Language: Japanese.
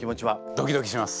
ドキドキします。